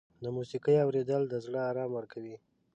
د موسیقۍ اورېدل د زړه آرام ورکوي.